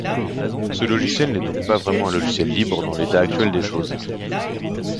Ce logiciel n'est donc pas vraiment un logiciel libre dans l'état actuel des choses.